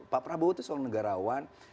pak prabowo itu seorang negarawan